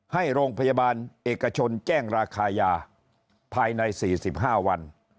ให้โรงพยาบาลเอกชนแจ้งราคายาภายใน๔๕วัน